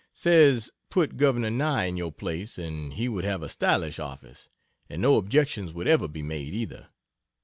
Says put Gov. Nye in your place and he would have a stylish office, and no objections would ever be made, either.